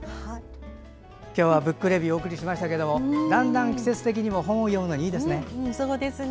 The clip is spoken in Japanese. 今日は「ブックレビュー」をお送りしましたがだんだん季節的にも本を読むのにいいですね。